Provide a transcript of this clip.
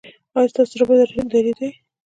ایا ستاسو زړه به دریدي؟